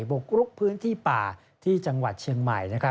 บุกรุกพื้นที่ป่าที่จังหวัดเชียงใหม่